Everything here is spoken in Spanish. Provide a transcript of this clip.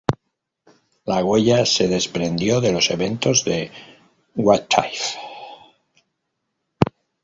La huella se desprendió de los eventos de "What If?